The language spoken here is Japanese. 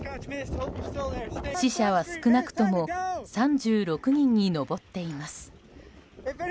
死者は、少なくとも３６人に上っています。